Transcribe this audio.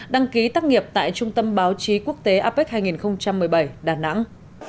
đăng ký tác nghiệp tại trung tâm báo chí quốc tế apec hai nghìn một mươi bảy đà nẵng